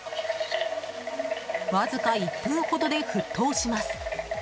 わずか１分ほどで沸騰します。